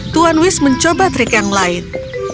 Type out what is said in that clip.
tuan wish mencoba trik yang lain